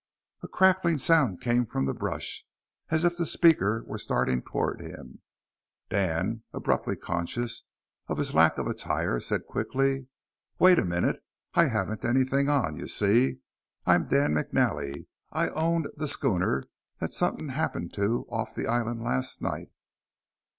A crackling sound came from the brush, as if the speaker were starting toward him. Dan, abruptly conscious of his lack of attire, said quickly, "Wait a minute! I haven't anything on, you see. I'm Dan McNally. I owned the schooner that something happened to off the island last night."